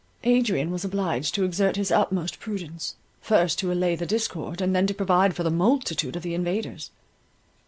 Adrian was obliged to exert his utmost prudence, first to allay the discord, and then to provide for the multitude of the invaders.